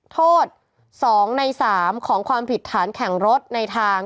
โทษ๒ใน๓ของความผิดฐานแข่งรถในทาง